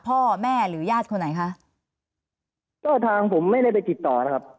พ่อแม่หรือญาติคนไหนคะก็ทางผมไม่ได้ไปติดต่อนะครับ